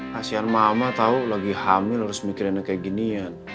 kasian mama tau lagi hamil harus mikirinnya kayak ginian